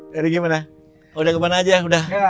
dari gimana udah kemana aja udah